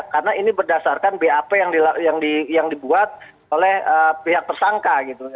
karena ini berdasarkan bap yang dibuat oleh pihak tersangka gitu